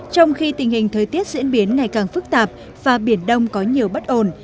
trong khi tình hình thời tiết diễn biến ngày càng phức tạp và biển đông có nhiều bất ổn